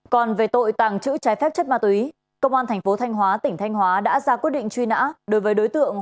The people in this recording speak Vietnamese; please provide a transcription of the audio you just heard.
còn về tội tàng trữ trái phép chất ma túy công an thành phố thanh hóa tỉnh thanh hóa đã ra quyết định truy nã đối với đối tượng